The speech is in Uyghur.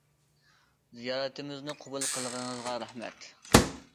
زىيارىتىمىزنى قوبۇل قىلغىنىڭىزغا رەھمەت.